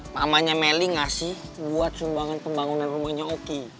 mamanya melly ngasih buat sumbangan pembangunan rumahnya oki